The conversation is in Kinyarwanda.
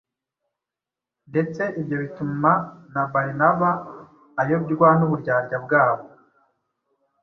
ndetse ibyo bituma na Barinaba ayobywa n’uburyarya bwabo.